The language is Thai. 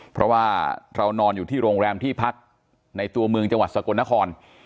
เพราะว่าเรานอนอยู่ที่โรงแรมที่พักในตัวเมืองจังหวัดสกลนคร